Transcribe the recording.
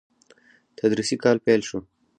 تدريسي کال پيل شو.